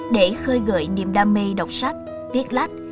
để khơi gợi niềm đam mê đọc sách viết lách